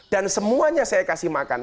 dan semuanya saya kasih makan